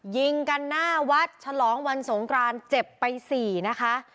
ยิงกันหน้าวัดฉลองวันสงกรานเจ็บไปสี่นะคะ